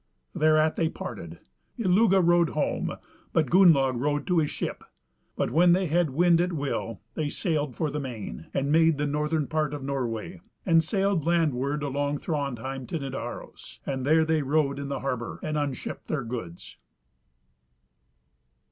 Thereat they parted; Illugi rode home, but Gunnlaug rode to his ship. But when they had wind at will they sailed for the main, and made the northern part of Norway, and sailed landward along Thrandheim to Nidaros; there they rode in the harbour, and unshipped their goods.